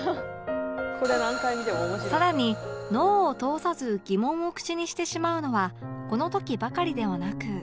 さらに脳を通さず疑問を口にしてしまうのはこの時ばかりではなく